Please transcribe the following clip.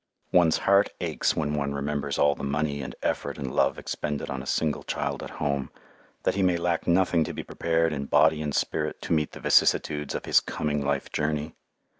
One's heart aches when one remembers all the money and effort and love expended on a single child at home, that he may lack nothing to be prepared in body and spirit to meet the vicissitudes of his coming life journey.